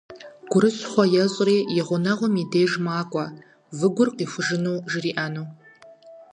Гурыщхъуэ ещӀри и гъунэгъум и деж макӀуэ, выгур къихужыну жриӏэну.